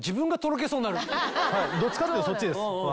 どっちかっていうとそっちです。